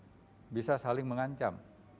kalau ada diantara kita kita bisa saling mengancam